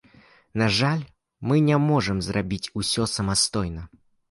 На жаль, мы не можам зрабіць усё самастойна.